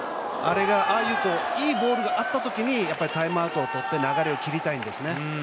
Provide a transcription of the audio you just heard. ああいう、いいボールがあったときにタイムアウトを取って流れを切りたいんですね。